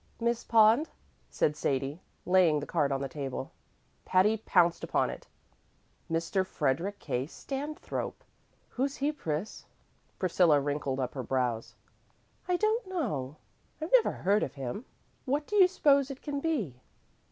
"Miss Pond," said Sadie, laying the card on the table. Patty pounced upon it. "'Mr. Frederick K. Stanthrope.' Who's he, Pris?" Priscilla wrinkled up her brows. "I don't know; I never heard of him. What do you suppose it can be?"